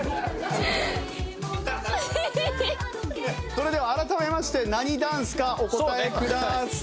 それでは改めまして何ダンスかお答えください。